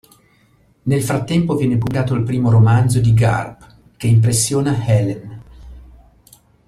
Nel frattempo viene pubblicato il primo romanzo di Garp, che impressiona Helen.